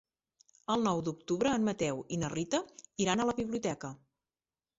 El nou d'octubre en Mateu i na Rita iran a la biblioteca.